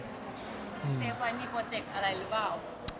เซฟไว้มีโปรเจกต์อะไรหรือเปล่า